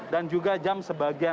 dan juga jam sebagian